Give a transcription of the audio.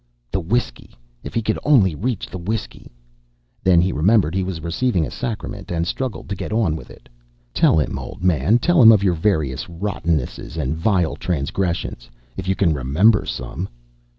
The whiskey if he could only reach the whiskey. Then he remembered he was receiving a Sacrament, and struggled to get on with it. Tell him, old man, tell him of your various rottennesses and vile transgressions, if you can remember some.